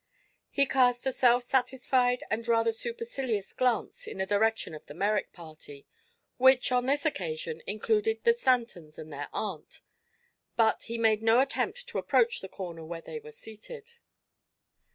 He cast a self satisfied and rather supercilious glance in the direction of the Merrick party, which on this occasion included the Stantons and their aunt, but he made no attempt to approach the corner where they were seated.